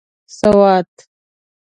سوات